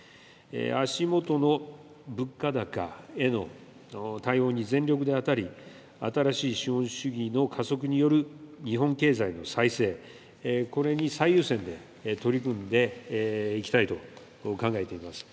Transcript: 足元の物価高への対応に全力で当たり、新しい資本主義の加速による日本経済の再生、これに最優先で取り組んでいきたいと考えています。